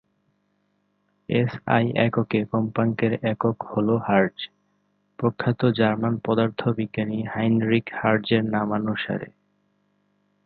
SI এককে কম্পাঙ্কের একক হলো হার্জ, প্রখ্যাত জার্মান পদার্থবিজ্ঞানী হাইনরিখ হার্জের নামানুসারে।